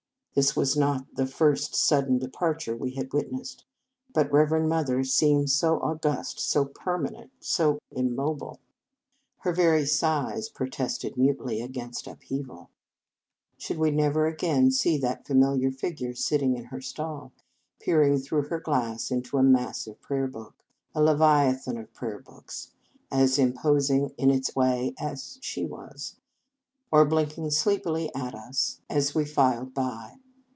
This was not the first sud den departure we had witnessed ; but Reverend Mother seemed so august, so permanent, so immobile. Her very size protested mutely against upheaval. Should we never again see that familiar figure sitting in her stall, peering through her glass into a massive prayer book, a leviathan of prayer books, as imposing in its way as she was, or blinking sleepily at us 211 In Our Convent Days as we filed by